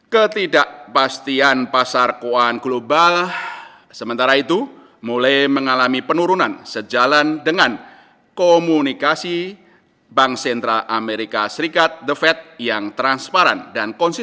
ketidakpastian pasar keuangan global sementara itu mulai mengalami penurunan sejalan dengan komunikasi bank sentral amerika serikat yang transparan dan konsisten tentang arah kebijakan yang tetap akan akomodatif